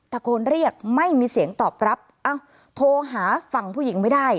ตะโกนเรียกไม่มีเสียงตอบรับเอ้าโทรหาฝั่งผู้หญิงไม่ได้